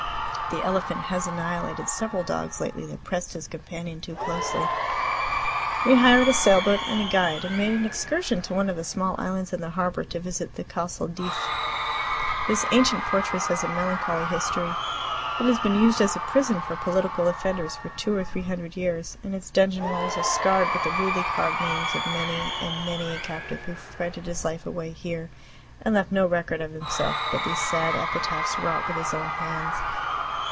The elephant has annihilated several dogs lately that pressed his companion too closely. We hired a sailboat and a guide and made an excursion to one of the small islands in the harbor to visit the Castle d'If. This ancient fortress has a melancholy history. It has been used as a prison for political offenders for two or three hundred years, and its dungeon walls are scarred with the rudely carved names of many and many a captive who fretted his life away here and left no record of himself but these sad epitaphs wrought with his own hands.